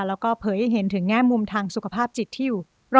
แล้วก็เผยให้เห็นถึงแง่มุมทางสุขภาพจิตที่อยู่